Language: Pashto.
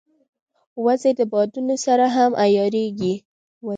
وزې د بادونو سره هم عیارېږي